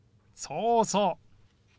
そうそう。